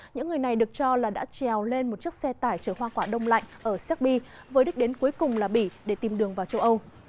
những người này được cho là đã trèo lên một chiếc xe tải chở hoa quả đông lạnh ở serbi với đích đến cuối cùng là bỉ để tìm đường vào châu âu